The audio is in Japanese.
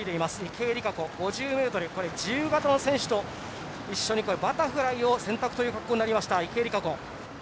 自由形の選手と一緒にバタフライを選択ということになりました池江璃花子。